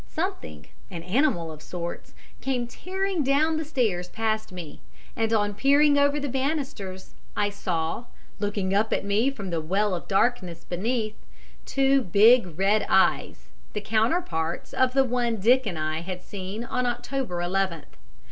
Something an animal of sorts came tearing down the stairs past me, and on peering over the banisters, I saw, looking up at me from the well of darkness beneath, two big red eyes, the counterparts of the one Dick and I had seen on October 11th.